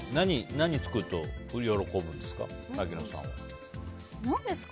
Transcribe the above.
何作ると喜ぶんですか？